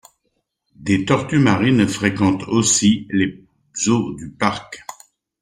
Des tortues marines fréquentent aussi les eaux du parc.